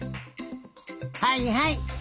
はいはい。